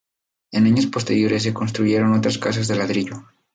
En años posteriores se construyeron otras casas de ladrillo.